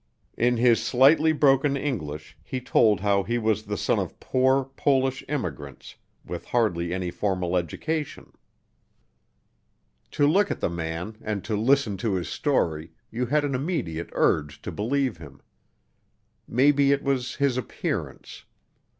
In his slightly broken English he told how he was the son of poor, Polish immigrants with hardly any formal education. To look at the man and to listen to his story you had an immediate urge to believe him. Maybe it was his appearance.